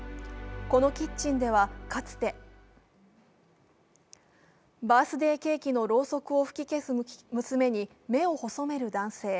このキッチンではかつてバースデーケーキのろうそくを吹き消す娘に目を細める男性。